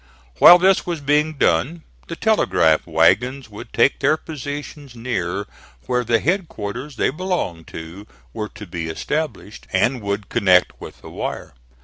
While this was being done the telegraph wagons would take their positions near where the headquarters they belonged to were to be established, and would connect with the wire.